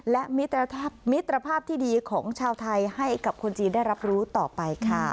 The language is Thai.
และมิตรภาพที่ดีของชาวไทยให้กับคนจีนได้รับรู้ต่อไปค่ะ